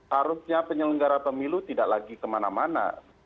harusnya penyelenggara pemilu tidak lagi kemana mana